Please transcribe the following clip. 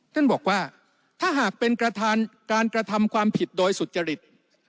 ท่านบอกว่าถ้าหากเป็นประธานการกระทำความผิดโดยสุจริต